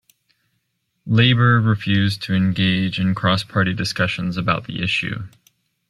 Labour refused to engage in cross party discussions about the issue.